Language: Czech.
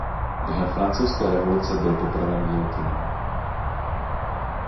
Během Francouzské revoluce byl popraven gilotinou.